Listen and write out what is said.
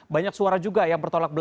banyak suara juga yang bertolak belakang